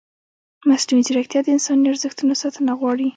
مصنوعي ځیرکتیا د انساني ارزښتونو ساتنه غواړي.